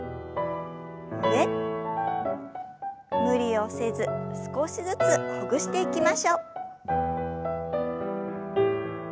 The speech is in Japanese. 無理をせず少しずつほぐしていきましょう。